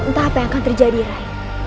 entah apa yang akan terjadi rai